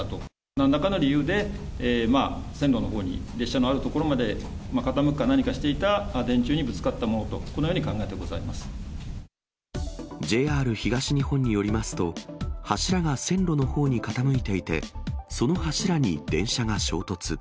なんらかの理由で線路のほうに、列車のある所まで傾くか何かしていた電柱にぶつかったものと、ＪＲ東日本によりますと、柱が線路のほうに傾いていて、その柱に電車が衝突。